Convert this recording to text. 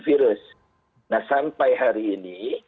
virus nah sampai hari ini